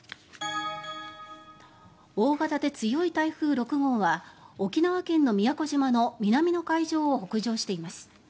大型で強い台風６号は沖縄県の宮古島の南の海上を北上しています。